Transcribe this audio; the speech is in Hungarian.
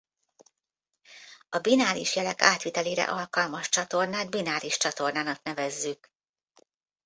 A bináris jelek átvitelére alkalmas csatornát bináris csatornának nevezzük.